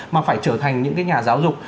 mà phải trở thành những cái nhà giáo dục